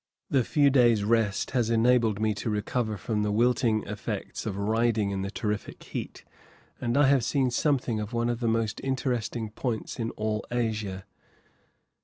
The few days' rest has enabled me to recover from the wilting effects of riding in the terrific heat, and I have seen something of one of the most interesting points in all Asia.